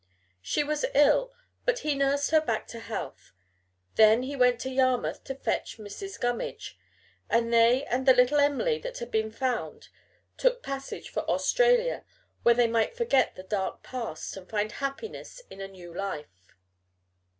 She was ill, but he nursed her back to health. Then he went to Yarmouth to fetch Mrs. Gummidge, and they and the little Em'ly that had been found took passage for Australia, where they might forget the dark past and find happiness in a new life.